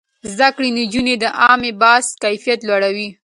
زده کړې نجونې د عامه بحث کيفيت لوړوي.